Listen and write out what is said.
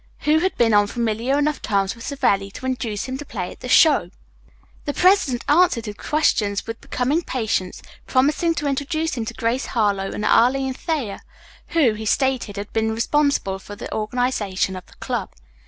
Who had been on familiar enough terms with Savelli to induce him to play at the "show"? The president answered his questions with becoming patience, promising to introduce him to Grace Harlowe and Arline Thayer, who, he stated, had been responsible for the organization of the club.